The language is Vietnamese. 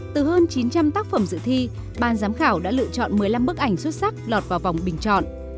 từ hơn chín trăm linh tác phẩm dự thi ban giám khảo đã lựa chọn một mươi năm bức ảnh xuất sắc lọt vào vòng bình chọn